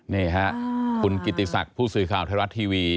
เนี่ยขอคุณกิติศักดิ์ของกระทั้งผู้สิกล่าวไทยรัสที่วี